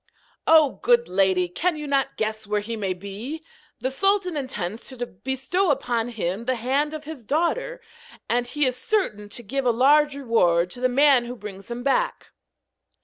'Oh! good lady, can you not guess where he may be? The sultan intends to bestow on him the hand of his daughter, and he is certain to give a large reward to the man who brings him back.'